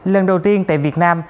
lần đầu tiên tại việt nam